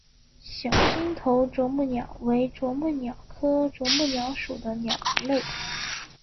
小星头啄木鸟为啄木鸟科啄木鸟属的鸟类。